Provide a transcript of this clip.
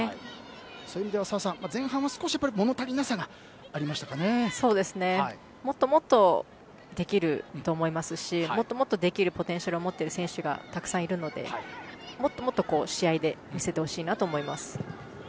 そういう意味では澤さん、前半は少しもっともっとできると思いますしもっともっとできるポテンシャルを持っている選手がたくさんいるのでもっともっと試合で見せてほしいなと思います。